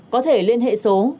có thể liên hệ số